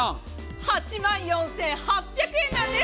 ８万４８００円なんです。